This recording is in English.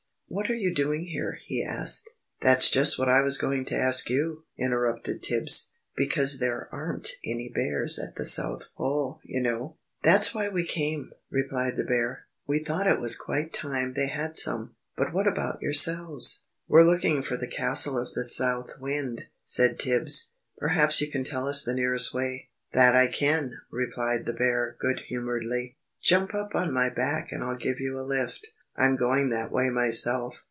"What are you doing here?" he asked. "That's just what I was going to ask you," interrupted Tibbs, "because there aren't any bears at the South Pole, you know." "That's why we came," replied the Bear. "We thought it was quite time they had some. But what about yourselves?" "We're looking for the Castle of the South Wind," said Tibbs. "Perhaps you can tell us the nearest way." "That I can," replied the Bear, good humouredly. "Jump up on my back and I'll give you a lift. I'm going that way myself."